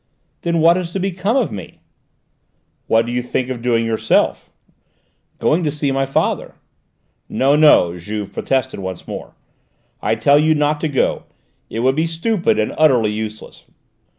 "Then what is to become of me?" "What do you think of doing yourself?" "Going to see my father." "No, no," Juve protested once more. "I tell you not to go. It would be stupid and utterly useless.